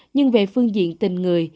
nhưng về phương diện tình người